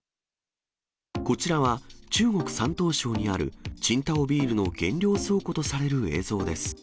こちらは中国・山東省にある青島ビールの原料倉庫とされる映像です。